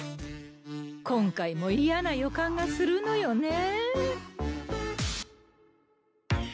今回も嫌な予感がするのよねぇ。